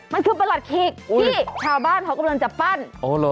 มันคือปลาหลัดขีกอุ้ยชาวบ้านเขากำลังจะปั้นอ๋อเหรอ